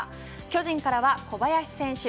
巨人からは小林選手。